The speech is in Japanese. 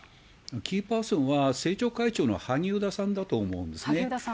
キーパーソンは、政調会長の萩生田さんだと思うんですね。